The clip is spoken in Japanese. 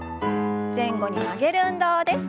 前後に曲げる運動です。